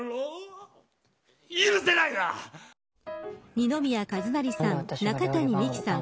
二宮和也さん、中谷美紀さん